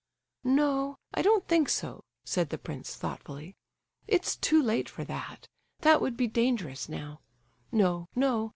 "No, I don't think so," said the prince, thoughtfully; "it's too late for that—that would be dangerous now. No, no!